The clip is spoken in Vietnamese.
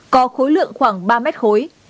có khối lượng khoảng ba mét khối